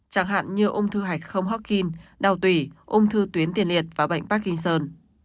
chẳng hạn như ung thư hạch không hóa kinh đau tùy ung thư tuyến tiền liệt và bệnh parkinson